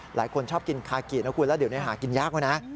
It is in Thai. หลายคนชอบกินคากินะคุณแล้วเดี๋ยวนี้หากินยากแล้วนะ